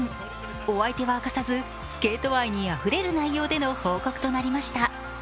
お相手は明かさず、スケート愛にあふれる内容での報告となりました。